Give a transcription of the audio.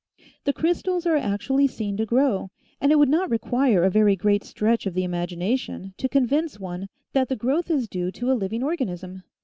The crys tals are actually seen to grow and it would not require a very great stretch of the imagination to convince one that the growth Is due to a living organism.